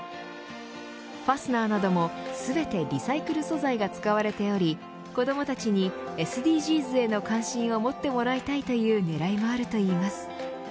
ファスナーなども全てリサイクル素材が使われており子どもたちにＳＤＧｓへの関心を持ってもらいたいという狙いもあるといいます。